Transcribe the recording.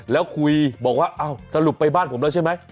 แล้วคุยบอกว่าอ้าวสรุปไปบ้านผมแล้วใช่ไหม